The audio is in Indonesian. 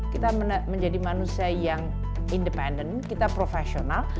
kita menjadi manusia yang independen kita profesional